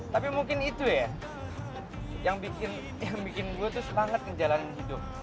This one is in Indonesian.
tapi mungkin itu ya yang bikin gue tuh semangat ngejalanin hidup